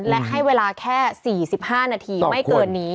และให้เวลาแค่๔๕นาทีไม่เกินนี้